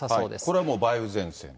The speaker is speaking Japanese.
これはもう梅雨前線。